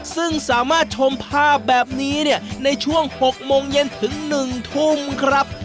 ซึ่งสามารถชมภาพแบบนี้เนี่ยในช่วง๖โมงเย็นถึง๑ทุ่มครับ